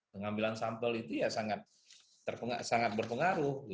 pengambilan sampel itu ya sangat berpengaruh